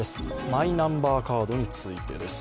マイナンバーカードについてです。